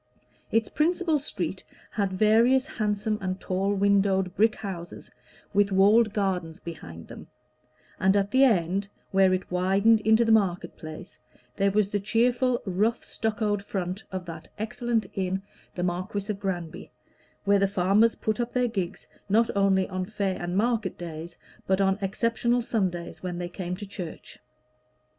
Its principal street had various handsome and tall windowed brick houses with walled gardens behind them; and at the end, where it widened into the market place, there was the cheerful rough stuccoed front of that excellent inn, the Marquis of Granby, where the farmers put up their gigs, not only on fair and market days, but on exceptional Sundays when they came to church.